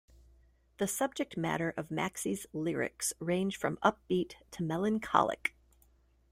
The subject matter of Maxi's lyrics range from upbeat to melancholic.